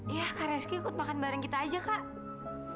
ya kak reski ikut makan bareng kita aja kak